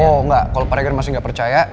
oh enggak kalo pak regar masih gak percaya